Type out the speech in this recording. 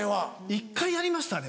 １回やりましたね